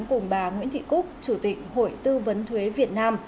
cùng bà nguyễn thị cúc chủ tịch hội tư vấn thuế việt nam